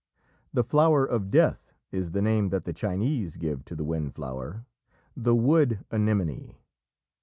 "The flower of Death" is the name that the Chinese give to the wind flower the wood anemone.